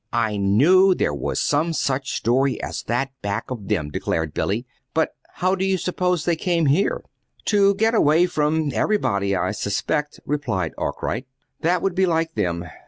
"I knew there was some such story as that back of them," declared Billy. "But how do you suppose they came here?" "To get away from everybody, I suspect," replied Arkwright. "That would be like them.